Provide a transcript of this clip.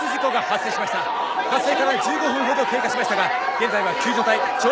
「発生から１５分ほど経過しましたが現在は救助隊消防隊が到着し」